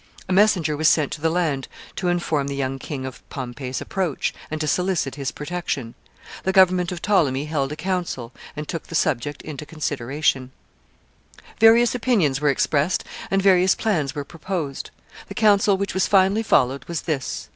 A messenger was sent to the land to inform the young king of Pompey's approach, and to solicit his protection. The government of Ptolemy held a council, and took the subject into consideration. [Sidenote: Ptolemy's council resolve to murder Pompey.] Various opinions were expressed, and various plans were proposed. The counsel which was finally followed was this.